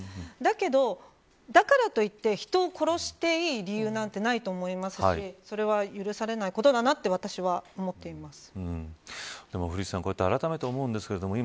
だけど、だからといって人を殺していい理由なんてないと思いますしそれは許されないことだなと私は思っています。